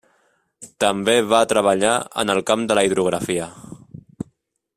També va treballar en el camp de la hidrografia.